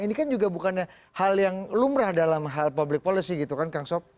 ini kan juga bukannya hal yang lumrah dalam hal public policy gitu kan kang sob